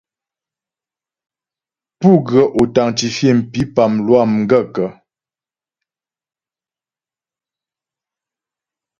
Pú ghə́ authentifier mpípá lwâ m gaə̂kə́ ?